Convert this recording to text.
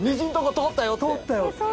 通ったよ。